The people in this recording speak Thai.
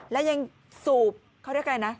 และยังสูบเขาเรียกอะไรนะ